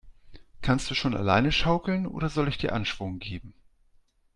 Kannst du schon alleine schaukeln, oder soll ich dir Anschwung geben?